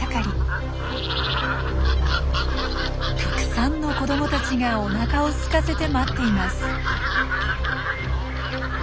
たくさんの子どもたちがおなかをすかせて待っています。